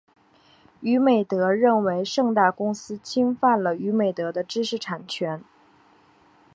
娱美德认为盛大公司侵犯了娱美德的知识产权。